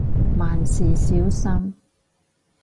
萬事小心